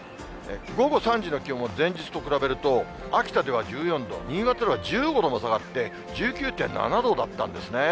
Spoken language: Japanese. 午後３時の気温を前日と比べると、秋田では１４度、新潟では１５度も下がって１９．７度だったんですね。